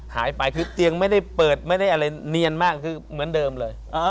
หายไปคือเตียงไม่ได้เปิดไม่ได้อะไรเนียนมากคือเหมือนเดิมเลย